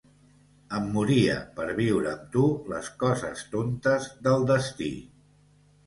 Em moria per viure amb tu les coses tontes del destí.